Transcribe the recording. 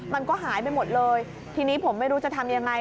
มันก็หายไปหมดเลยทีนี้ผมไม่รู้จะทำยังไง